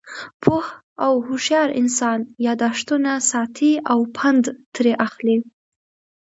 پوه او هوشیار انسان، یاداښتونه ساتي او پند ترې اخلي.